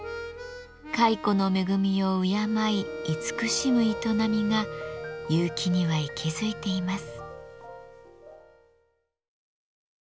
蚕の恵みを敬い慈しむ営みが結城には息づいています。